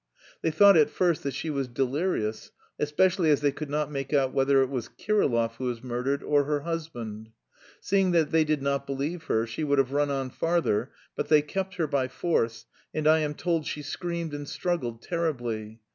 They thought at first that she was delirious, especially as they could not make out whether it was Kirillov who was murdered or her husband. Seeing that they did not believe her she would have run on farther, but they kept her by force, and I am told she screamed and struggled terribly.